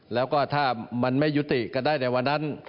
แล้วก็ถ้ามันไม่ยุติก็ได้ในวันนั้น